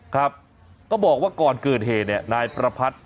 ครับก็บอกว่าก่อนเกิดเหตุนายนัฐวุทธ์